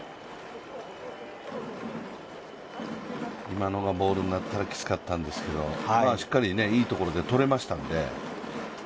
今のがボールになったらきつかったんですけど、しっかり、いいところでとれましたんで。